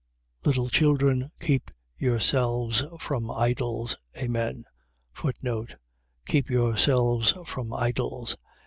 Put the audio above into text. Little children, keep yourselves from idols. Amen. Keep yourselves from idols.